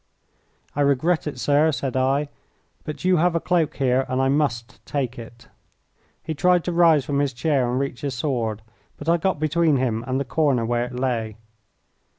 "I regret it, sir," said I; "but you have a cloak here and I must take it." He tried to rise from his chair and reach his sword, but I got between him and the corner where it lay.